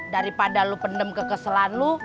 daripada lu pendem kekeselan lu